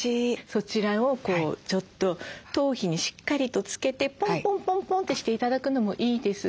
そちらをちょっと頭皮にしっかりとつけてポンポンポンポンってして頂くのもいいですし。